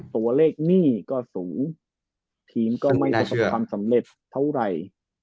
ตัวเลขหนี้ก็สูงทีมก็ไม่สำคัญสำเร็จเท่าไหร่